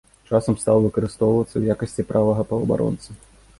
Часам стаў выкарыстоўвацца ў якасці правага паўабаронцы.